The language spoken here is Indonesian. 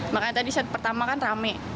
makanya tadi set pertama kan rame